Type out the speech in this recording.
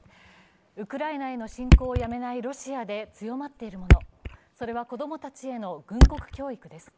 ウクライナへの侵攻をやめないロシアで強まっているもの、それは子供たちへの軍国教育です。